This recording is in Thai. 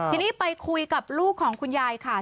ทีนี้ไปคุยกับลูกของคุณยายค่ะ